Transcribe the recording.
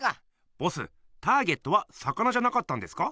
ボスターゲットは魚じゃなかったんですか？